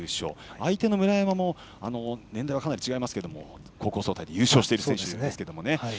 相手の村山も年代はかなり違いますが高校総体で優勝している選手です。